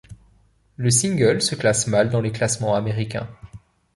Le single se classe mal dans les classements américains.